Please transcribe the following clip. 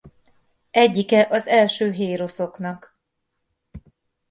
Egyike az első héroszoknak.